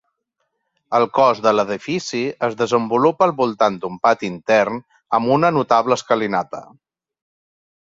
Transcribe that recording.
El cos de l'edifici es desenvolupa al voltant d'un pati intern amb una notable escalinata.